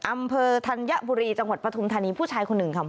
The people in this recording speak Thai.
อำเภอธัญบุรีจังหวัดปฐุมธานีผู้ชายคนหนึ่งค่ะ